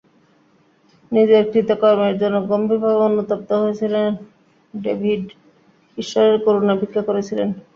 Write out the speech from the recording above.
নিজের কৃতকর্মের জন্য গভীরভাবে অনুতপ্ত হয়েছিলেন ডেভিড, ঈশ্বরের করুণা ভিক্ষা করেছিলেন।